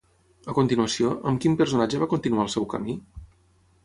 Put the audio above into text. A continuació, amb quin personatge va continuar el seu camí?